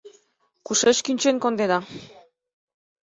— Кушеч кӱнчен кондена?